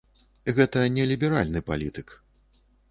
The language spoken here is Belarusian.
Гэта не ліберальны палітык.